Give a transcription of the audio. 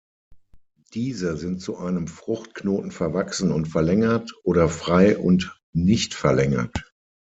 Diese sind zu einem Fruchtknoten verwachsen und verlängert, oder frei und nicht verlängert.